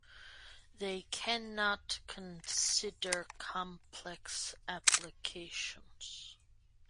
They cannot consider complex applications.